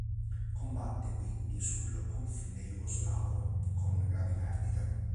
Combatte quindi sul confine Jugoslavo con gravi perdite.